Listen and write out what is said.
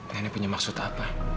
nenek punya maksud apa